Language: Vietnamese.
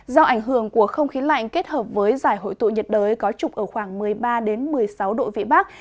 do ảnh hưởng của không khí lạnh kết hợp với giải hội tụ nhiệt đới có trục ở khoảng một mươi ba một mươi sáu độ vị bắc